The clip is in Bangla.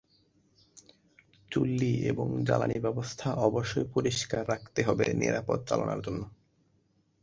চুল্লী এবং জ্বালানি ব্যবস্থা অবশ্যই পরিষ্কার রাখতে হবে নিরাপদ চালনার জন্য।